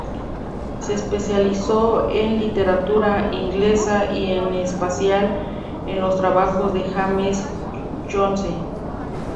Se especializó en literatura inglesa y, en especial, en los trabajos de James Joyce.